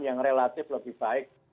yang relatif lebih baik